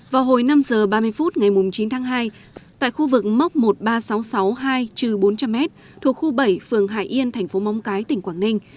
vào hồi năm h ba mươi phút ngày chín tháng hai tại khu vực mốc một mươi ba nghìn sáu trăm sáu mươi hai trừ bốn trăm linh m thuộc khu bảy phường hải yên thành phố móng cái tỉnh quảng ninh